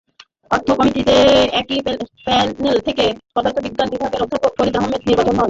অর্থ কমিটিতে একই প্যানেল থেকে পদার্থবিজ্ঞান বিভাগের অধ্যাপক ফরিদ আহমদ নির্বাচিত হন।